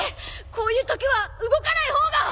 こういうときは動かない方が！